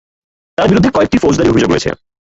তার বিরুদ্ধে কয়েকটি ফৌজদারি অভিযোগ রয়েছে।